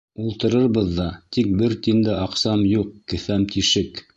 — Ултырырбыҙ ҙа, тик бер тин дә аҡсам юҡ, кеҫәм тишек.